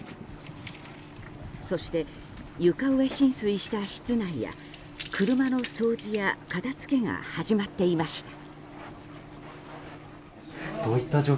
そして、床上浸水した室内や車の掃除や片付けが始まっていました。